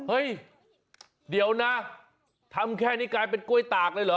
เฮ้ยเดี๋ยวนะทำแค่นี้กลายเป็นกล้วยตากเลยเหรอ